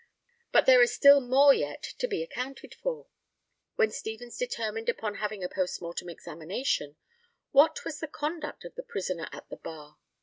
But there is still more yet to be accounted for. When Stevens determined upon having a post mortem examination, what was the conduct of the prisoner at the bar?